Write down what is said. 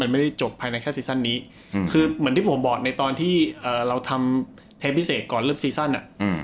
ไม่ได้จบภายในแค่ซีซั่นนี้คือเหมือนที่ผมบอกในตอนที่เราทำเทปพิเศษก่อนเริ่มซีซั่นอ่ะ